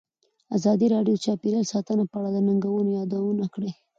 ازادي راډیو د چاپیریال ساتنه په اړه د ننګونو یادونه کړې.